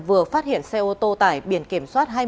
vừa phát hiện xe ô tô tải biển kiểm soát